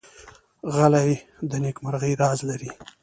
غلی، د نېکمرغۍ راز لري.